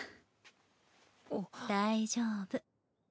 大丈夫。